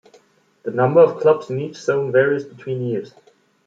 The number of clubs in each zone varies between years.